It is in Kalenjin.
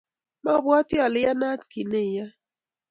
Mabwati ale iyanat kit ne i yoe.